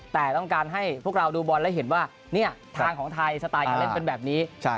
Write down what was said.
แต่ต้องการให้พวกเราดูบอลแล้วเห็นว่าทางของไทยสไตล์การเล่นเป็นแบบนี้